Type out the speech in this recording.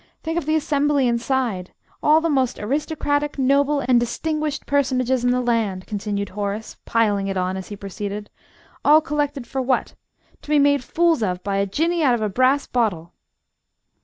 Think of the assembly inside all the most aristocratic, noble, and distinguished personages in the land," continued Horace, piling it on as he proceeded; "all collected for what? To be made fools of by a Jinnee out of a brass bottle!"